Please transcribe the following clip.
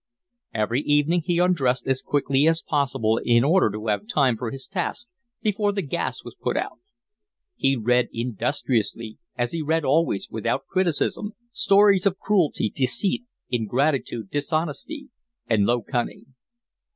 Every evening he undressed as quickly as possible in order to have time for his task before the gas was put out. He read industriously, as he read always, without criticism, stories of cruelty, deceit, ingratitude, dishonesty, and low cunning.